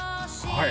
はい？